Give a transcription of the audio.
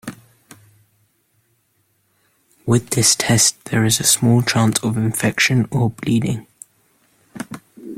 With this test there is a small chance of infection or bleeding.